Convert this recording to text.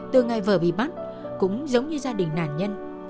từ ngày vợ bị bắt cũng giống như gia đình nạn nhân